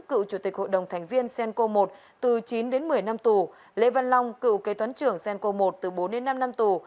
cựu chủ tịch hội đồng thành viên cenco một từ chín đến một mươi năm tù lê văn long cựu kế toán trưởng cenco một từ bốn đến năm năm tù